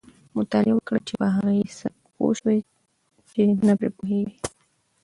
مطالعه وکړئ! چي په هغه څه پوه سئ، چي نه پرې پوهېږئ.